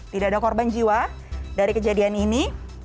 tidak ada korban jiwa dari kejadian ini